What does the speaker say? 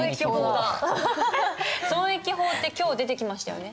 損益法って今日出てきましたよね。